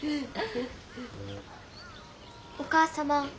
お母様。